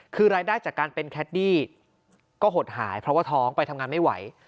คือรายได้จากการเป็นแคดดี้ก็หดหายเพราะว่าท้องไปทำงานไม่ไหว